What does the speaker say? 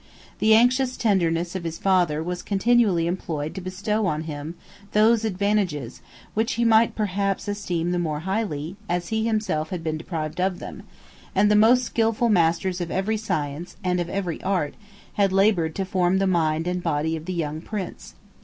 The anxious tenderness of his father was continually employed to bestow on him those advantages, which he might perhaps esteem the more highly, as he himself had been deprived of them; and the most skilful masters of every science, and of every art, had labored to form the mind and body of the young prince.